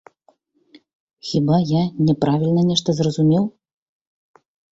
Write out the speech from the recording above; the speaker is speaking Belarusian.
Хіба я не правільна нешта зразумеў?